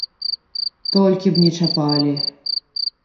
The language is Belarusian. Толькі б не чапалі.